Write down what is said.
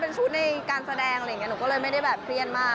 เป็นชุดในการแสดงหนูก็เลยไม่ได้เครียดมาก